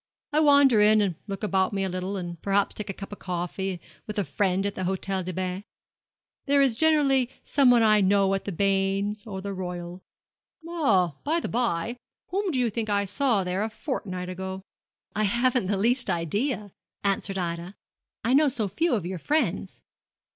I wander in and look about me a little, and perhaps take a cup of coffee with a friend at the Hôtel des Bains. There is generally some one I know at the Bains or the Royal. Ah, by the bye whom, do you think I saw there a fortnight ago?' 'I haven't the least idea,' answered Ida; 'I know so few of your friends.'